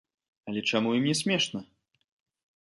Але чаму ім не смешна?